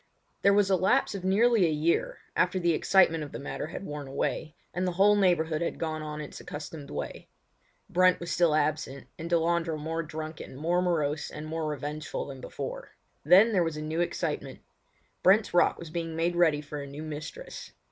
There was a lapse of nearly a year, after the excitement of the matter had worn away, and the whole neighbourhood had gone on its accustomed way. Brent was still absent, and Delandre more drunken, more morose, and more revengeful than before. Then there was a new excitement. Brent's Rock was being made ready for a new mistress.